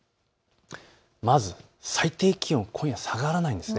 まず最低気温、今夜下がらないんです。